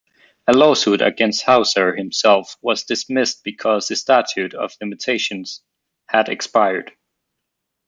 A lawsuit against Hauser himself was dismissed because the statute of limitations had expired.